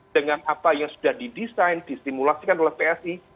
dengan apa yang sudah didesain distimulasikan oleh psi